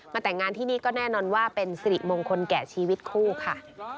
แต่งงานที่นี่ก็แน่นอนว่าเป็นสิริมงคลแก่ชีวิตคู่ค่ะ